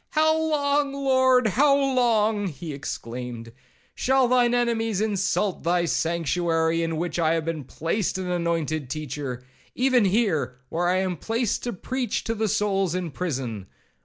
'How long, Lord, how long,' he exclaimed, 'shall thine enemies insult thy sanctuary, in which I have been placed an anointed teacher? even here, where I am placed to preach to the souls in prison?